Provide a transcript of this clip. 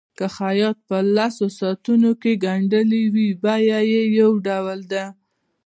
که خیاط په لسو ساعتونو کې ګنډلي وي بیه یو ډول ده.